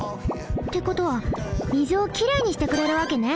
ってことは水をきれいにしてくれるわけね。